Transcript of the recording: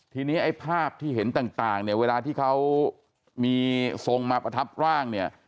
ทีนี้ไอ้ภาพที่เห็นต่างเนี่ยเวลาที่เขามีทรงมาประทับร่างเนี่ย